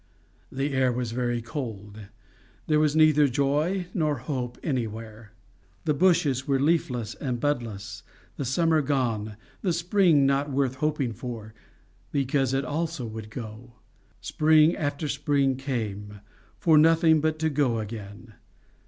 The air was very cold. There was neither joy nor hope anywhere. The bushes were leafless and budless, the summer gone, the spring not worth hoping for, because it also would go: spring after spring came for nothing but to go again!